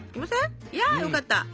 いやよかった！ＯＫ！